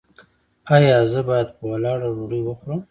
ایا زه باید په ولاړه ډوډۍ وخورم؟